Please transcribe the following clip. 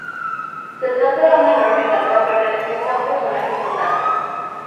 Se trata de una enorme casa perteneciente a un personaje importante.